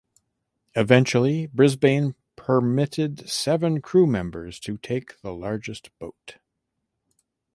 Eventually Brisbane permitted seven crew members to take the largest boat.